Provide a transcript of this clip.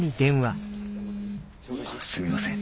すみません